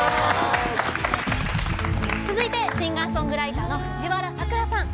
続いてシンガーソングライターの藤原さくらさん。